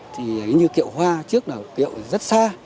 thì như kiệu hoa trước là kiệu rất xa